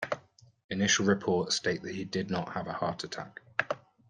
Initial reports state that he did not have a heart attack.